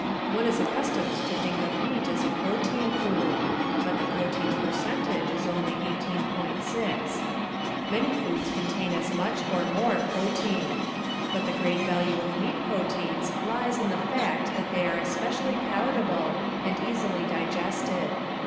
One is accustomed to think of meat as a protein food, but the protein per centage is only 18.6. Many foods contain as much, or more, protein. But the great value of meat proteins lies in the fact that they are especi ally palatable and easily digested.